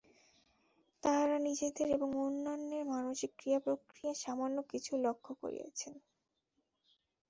তাঁহারা নিজেদের এবং অন্যান্যের মানসিক ক্রিয়া-প্রক্রিয়ার সামান্য কিছু লক্ষ্য করিয়াছেন।